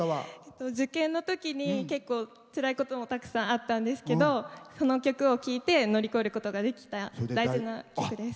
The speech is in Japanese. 受験のときに結構、つらいこともたくさんあったんですけどこの曲を聴いて乗り越えることができた大事な曲です。